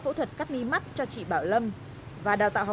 có thể nhờ cấp được bằng dạy nghề